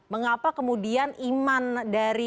mengapa kemudian iman dari